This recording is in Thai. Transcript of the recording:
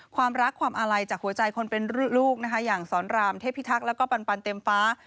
ความรักความอาลัยจากหัวใจคนเป็นลูกนะคะอย่างสอนรามเทพิทักษ์แล้วก็ปันเต็มฟ้า